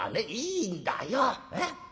いいんだよ。え？